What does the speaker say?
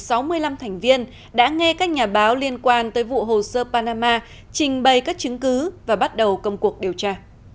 hội đồng điều tra của châu âu đã nghe các nhà báo liên quan tới vụ hồ sơ panama trình bày các chứng cứ và bắt đầu công cuộc điều tra